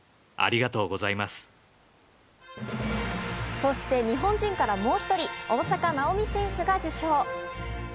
そして日本人からもう１人、大坂なおみ選手が受賞。